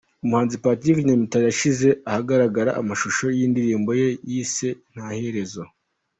Umuhanzi Patrick Nyamitari yashize ahagaragara amashusho y’indirimbo ye yise Ntaherezo.